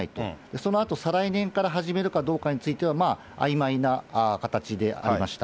そのあと再来年から始めるかどうかについては、まあ、あいまいな形でありました。